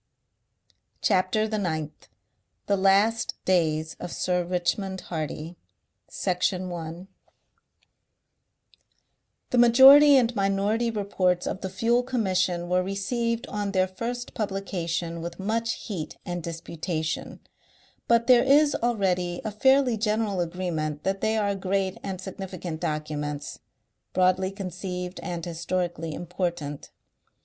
CHAPTER THE NINTH THE LAST DAYS OF SIR RICHMOND HARDY Section 1 The Majority and Minority Reports of the Fuel Commission were received on their first publication with much heat and disputation, but there is already a fairly general agreement that they are great and significant documents, broadly conceived and historically important.